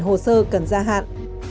hồ sơ cần gia hạn